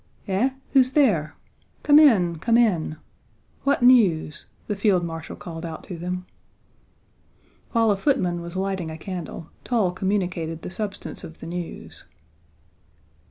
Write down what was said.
"Eh, who's there? Come in, come in! What news?" the field marshal called out to them. While a footman was lighting a candle, Toll communicated the substance of the news.